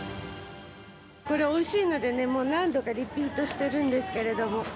これおいしいのでね、もう何度かリピートしてるんですけれども。